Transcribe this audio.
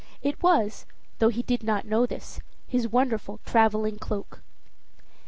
It was, though he did not know this, his wonderful traveling cloak.